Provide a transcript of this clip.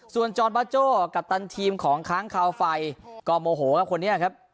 ส่วนจอร์นบาโจ้กัปตันทีมของค้างคาวไฟก็โมโหครับคนนี้ครับ